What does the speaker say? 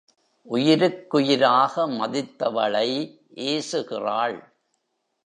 உயிருக்குயிராக மதித்தவளை ஏசுகிறாள்.